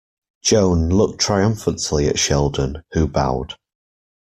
Joan looked triumphantly at Sheldon, who bowed.